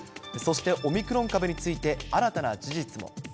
そしてオミクロン株について、新たな事実も。